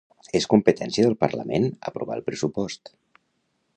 És competència del parlament aprovar el pressupost